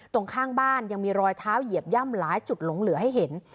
ตรงข้างบ้านยังมีรอยเท้าเหยียบย่ำหลายจุดหลงเหลือให้เห็น